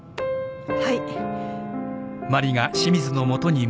はい。